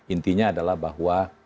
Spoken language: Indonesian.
intinya adalah bahwa